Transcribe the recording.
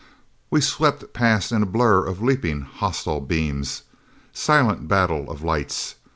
We swept past in a blur of leaping hostile beams. Silent battle of lights!